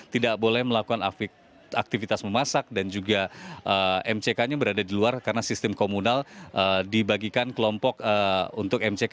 tidak boleh melakukan aktivitas memasak dan juga mck nya berada di luar karena sistem komunal dibagikan kelompok untuk mck